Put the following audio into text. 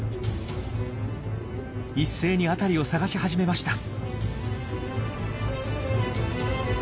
一斉に辺りを探し始めました。